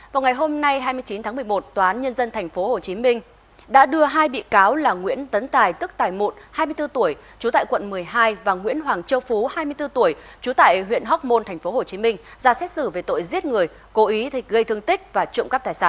vào ngày hôm nay hai mươi chín tháng một mươi một toán nhân dân tp hcm đã đưa hai bị cáo